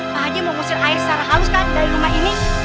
pakcik mau ngusir air secara haluskan dari rumah ini